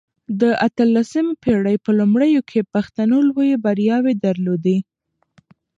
د اته لسمې پېړۍ په لومړيو کې پښتنو لويې برياوې درلودې.